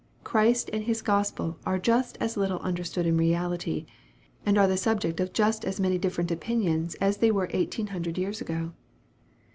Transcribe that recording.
Christ and his Gospel are just as little understood in reality, and are the subject of just as many different opinions as they were eighteen hundred years ago.